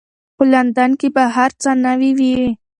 په لندن کې به هر څه نوي وي.